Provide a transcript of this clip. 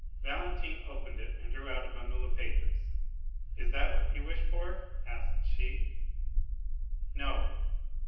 Valentine opened it and drew out a bundle of papers. "Is that what you wish for?" asked she. "No."